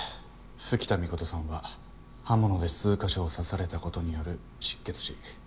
吹田美琴さんは刃物で数か所を刺されたことによる失血死。